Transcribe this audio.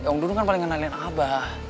ya om dudung kan paling kenalin abah